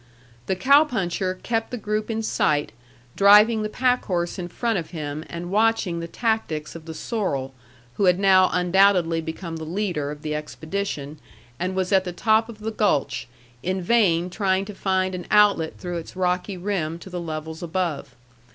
The cow puncher kept the group in sight, driving the packhorse in front of him, and watching the tactics of the sorrel, who had now undoubtedly become the leader of the expedition, and was at the top of the gulch, in vain trying to find an outlet through its rocky rim to the levels above.